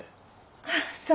ああそう。